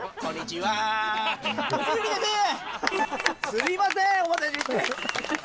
すみませんお待たせして。